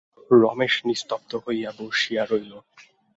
রমেশ নিস্তব্ধ হইয়া বসিয়া রহিল।